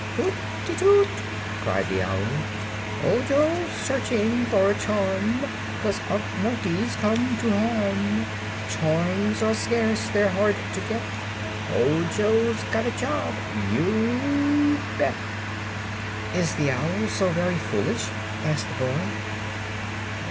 "Hoot ti toot!" cried the owl; "Ojo's searching for a charm, 'Cause Unc Nunkie's come to harm. Charms are scarce; they're hard to get; Ojo's got a job, you bet!" "Is the owl so very foolish?" asked the boy.